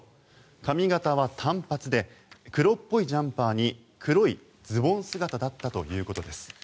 髪形は短髪で黒っぽいジャンパーに黒いズボン姿だったということです。